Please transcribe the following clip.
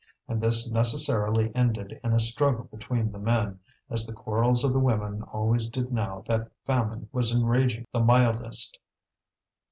And this necessarily ended in a struggle between the men, as the quarrels of the women always did now that famine was enraging the mildest.